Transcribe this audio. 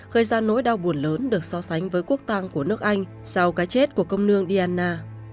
gây ra nỗi đau buồn lớn được so sánh với quốc tàng của nước anh sau cái chết của công nương diana